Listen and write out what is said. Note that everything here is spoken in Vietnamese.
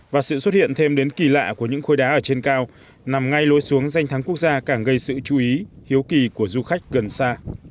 và sự xuất hiện thêm đến kỳ lạ của những khối đá ở trên cao nằm ngay lối xuống danh thắng quốc gia càng gây sự chú ý hiếu kỳ của du khách gần xa